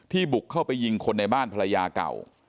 บุกเข้าไปยิงคนในบ้านภรรยาเก่า